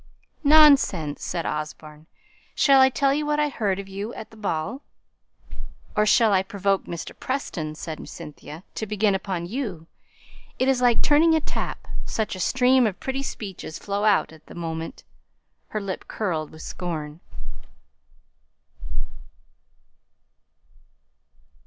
"Nonsense!" said Osborne. "Shall I tell you what I heard of you at the ball?" "Or shall I provoke Mr. Preston," said Cynthia, "to begin upon you? It's like turning a tap, such a stream of pretty speeches flows out at the moment." Her lip curled with scorn.